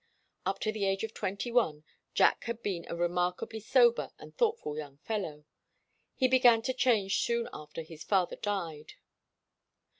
Up to the age of twenty one, Jack had been a remarkably sober and thoughtful young fellow. He began to change soon after his father died.